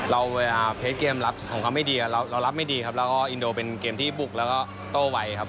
เวลาเพจเกมรับของเขาไม่ดีเรารับไม่ดีครับแล้วก็อินโดเป็นเกมที่บุกแล้วก็โต้ไวครับ